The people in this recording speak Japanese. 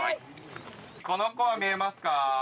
この子は見えますか。